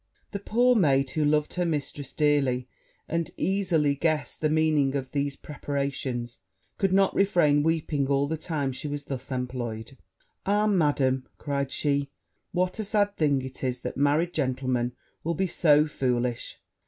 The poor maid, who loved her mistress dearly, and easily guessed the meaning of these preparations, could not refrain weeping all the time she was thus employed. 'Ah, Madam!' cried she, 'what a sad thing it is that married gentlemen will be so foolish!